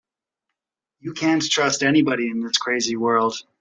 You can't trust anybody in this crazy world.